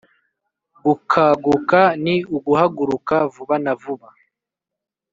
gukaguka: ni uguhaguruka vuba na vuba